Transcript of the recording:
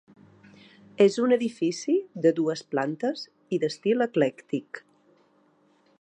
És un edifici de dues plantes i d'estil eclèctic.